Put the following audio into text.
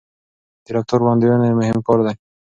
د رفتار وړاندوينه یو مهم کار دی.